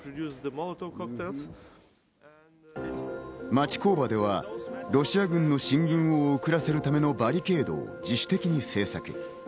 町工場ではロシア軍の進軍を遅らせるためのバリケードを自主的に制作。